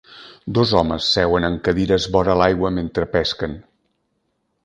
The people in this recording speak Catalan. Dos homes seuen en cadires vora l'aigua mentre pesquen